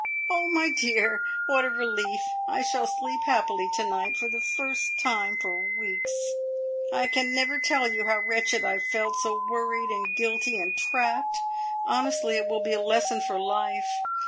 "Oh, my dear, what a relief! I shall sleep happily to night for the first time for weeks. I can never tell you how wretched I've felt; so worried, and guilty, and trapped! Honestly it will be a lesson for life.